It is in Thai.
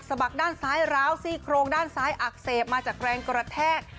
บักด้านซ้ายร้าวซี่โครงด้านซ้ายอักเสบมาจากแรงกระแทก